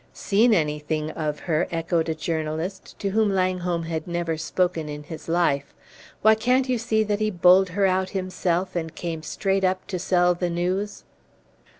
"Seen anything of her?" echoed a journalist to whom Langholm had never spoken in his life. "Why, can't you see that he bowled her out himself and came up straight to sell the news?"